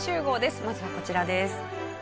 まずはこちらです。